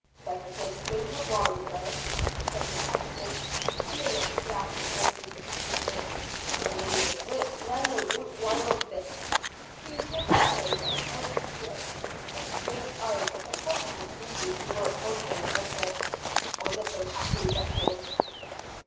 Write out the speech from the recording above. "Better take a drink of wine first," said the Captain, filling up a glass and handing it to him. "I will neither break bread nor drink wine on this" he was going to say accursed ship; but the fierce eyes of the possible freebooter were upon him, and he said, "on this unhappy vessel."